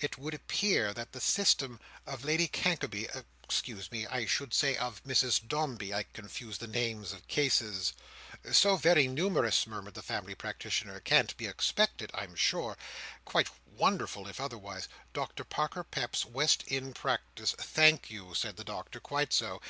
It would appear that the system of Lady Cankaby—excuse me: I should say of Mrs Dombey: I confuse the names of cases—" "So very numerous," murmured the family practitioner—"can't be expected I'm sure—quite wonderful if otherwise—Doctor Parker Peps's West End practice—" "Thank you," said the Doctor, "quite so.